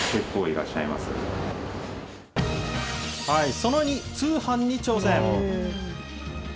その２、通販に挑戦！